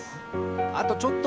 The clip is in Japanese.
あとちょっと！